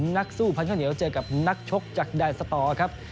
นักสู้พันข้าวเหนียวเจอกับนักชกจากแดนสตอร์ครับ